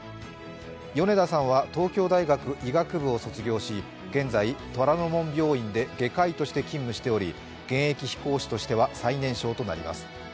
米田さんは東京大学医学部を卒業し、現在、虎の門病院で外科医として勤務しており現役飛行士としては最年少となります。